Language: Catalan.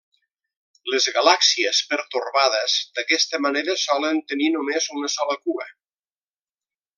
Les galàxies pertorbades d'aquesta manera solen tenir només una sola cua.